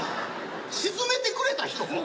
「沈めてくれた人」